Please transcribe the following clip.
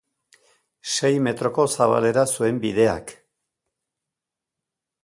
Sei metroko zabalera zuen bideak.